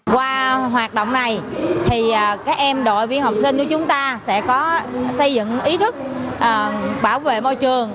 qua hoạt động này thì các em đội viên học sinh của chúng ta sẽ có xây dựng ý thức bảo vệ môi trường